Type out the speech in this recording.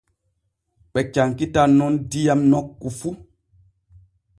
Ɓe cankitan nun diyam nokku fu.